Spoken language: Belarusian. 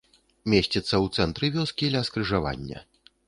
Месціцца ў цэнтры вёскі, ля скрыжавання.